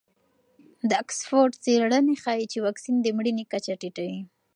د اکسفورډ څېړنې ښیي چې واکسین د مړینې کچه ټیټوي.